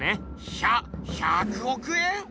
ひゃ１００億円